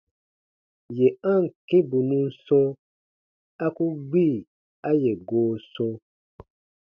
Yè a ǹ kĩ bù nun sɔ̃, a ku gbi a yè goo sɔ̃.